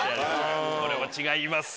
これも違います。